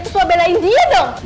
terus lo belain dia dong